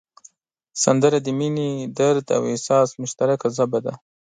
سندره د مینې، درد او احساس مشترکه ژبه ده